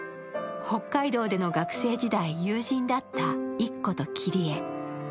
北海道での学生時代、友人だったイッコとキリエ。